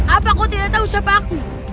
apa kau tidak tahu siapa aku